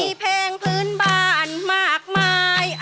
มีเพลงพื้นบ้านมากมาย